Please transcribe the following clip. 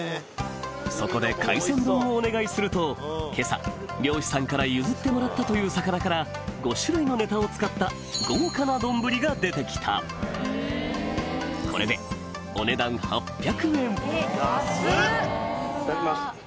そこで海鮮丼をお願いすると今朝漁師さんから譲ってもらったという魚から５種類のネタを使った豪華な丼が出てきたこれでお値段８００円えっ安っ！